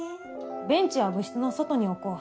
ベンチは部室の外に置こう。